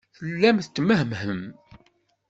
Tellam temmehmhem.